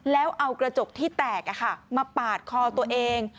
แล้วเอากระจกที่แตกมาปาดคอตัวเอง